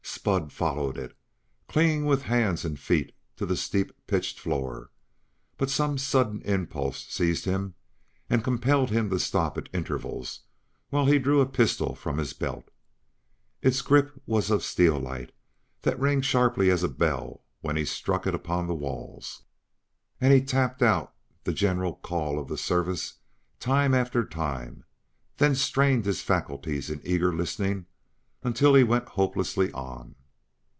Spud followed it, clinging with hands and feet to the steep pitched floor; but some sudden impulse seized him and compelled him to stop at intervals while he drew a pistol from his belt. Its grip was of steelite that rang sharply as a bell when he struck it upon the walls. And he tapped out the general call of the Service time after time; then strained his faculties in eager listening until he went hopelessly on.